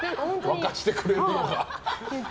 沸かしてくれるのが。